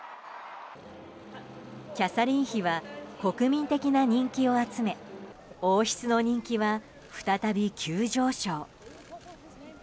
キャサリン妃は国民的な人気を集め王室の人気は再び急上昇。